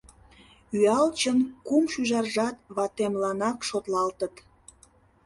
Ӱялчын кум шӱжаржат ватемланак шотлалтыт.